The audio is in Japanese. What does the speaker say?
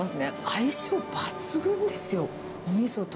相性抜群ですよ。